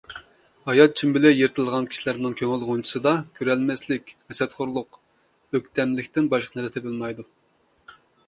ھايا چۈمبىلى يىرتىلغان كىشىلەرنىڭ كۆڭۈل غۇنچىسىدا كۆرەلمەسلىك، ھەسەتخورلۇق، ئۆكتەملىكتىن باشقا نەرسە تېپىلمايدۇ.